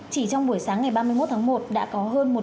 chỉ trong buổi sáng ngày ba mươi một tháng một đã có hơn một chai nước